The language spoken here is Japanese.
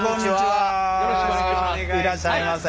よろしくお願いします。